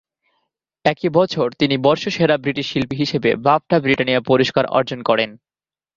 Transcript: একই বছর তিনি বর্ষসেরা ব্রিটিশ শিল্পী হিসেবে বাফটা ব্রিটানিয়া পুরস্কার অর্জন করেন।